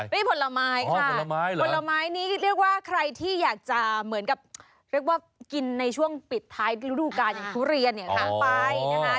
นี่ผลไม้ค่ะผลไม้นี้เรียกว่าใครที่อยากจะเหมือนกับเรียกว่ากินในช่วงปิดท้ายฤดูการอย่างทุเรียนเนี่ยสั่งไปนะคะ